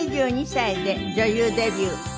２２歳で女優デビュー。